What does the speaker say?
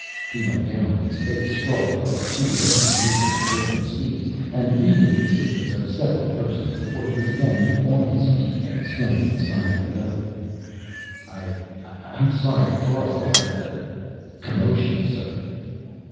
He went down on his face, sprawled across two lanes moving at different speeds, and needed the assistance of several persons before he was again on his feet and standing beside Leoh. "I ... I'm sorry to cause all that, uh, commotion, sir."